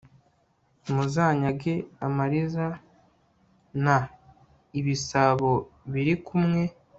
muzanyage amaliza n,ibisabo bili kumwe